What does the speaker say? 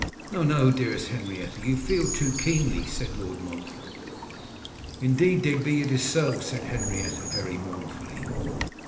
'No, no, dearest Henrietta; you feel too keenly,' said Lord Montfort. 'Indeed, Digby, it is so,' said Henrietta very mournfully.